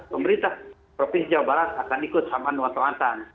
pemerintah provinsi jawa barat akan ikut sama nuwata nuwata